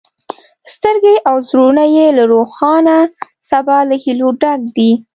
سترګې او زړونه یې له روښانه سبا له هیلو ډک دي.